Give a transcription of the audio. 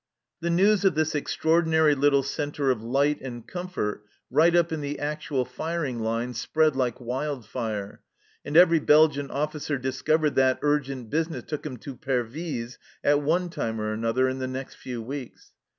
The news of this extraordinary little centre of light and comfort right up in the actual firing line spread like wild fire, and every Belgian officer dis covered that urgent business took him to Pervyse at one time or another in the next few weeks.